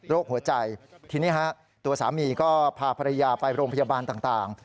หัวใจทีนี้ฮะตัวสามีก็พาภรรยาไปโรงพยาบาลต่าง